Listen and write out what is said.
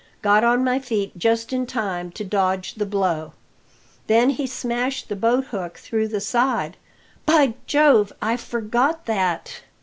Got on my feet just in time to dodge the blow. Then he smashed the boathook through the side. By Jove! I forgot that.